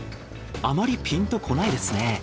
あまりピンとこないですね。